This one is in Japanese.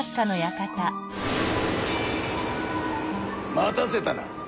待たせたな！